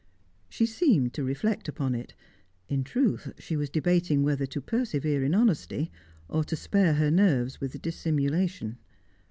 She seemed to reflect upon it. In truth she was debating whether to persevere in honesty, or to spare her nerves with dissimulation.